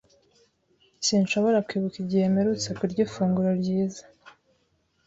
Sinshobora kwibuka igihe mperutse kurya ifunguro ryiza.